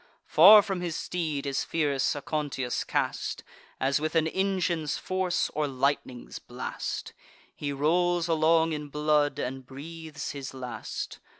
Far from his steed is fierce Aconteus cast, As with an engine's force, or lightning's blast: He rolls along in blood, and breathes his last.